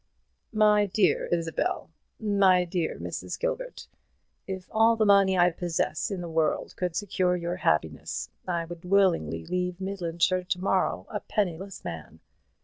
"My dear Isabel my dear Mrs. Gilbert if all the money I possess in the world could secure your happiness, I would willingly leave Midlandshire to morrow a penniless man.